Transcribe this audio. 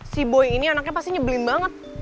si boeing ini anaknya pasti nyebelin banget